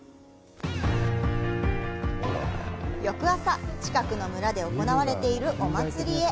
翌朝、近くの村で行われているお祭りへ。